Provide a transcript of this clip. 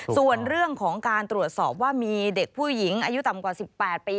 ส่วนเรื่องของการตรวจสอบว่ามีเด็กผู้หญิงอายุต่ำกว่า๑๘ปี